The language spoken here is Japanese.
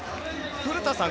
古田さん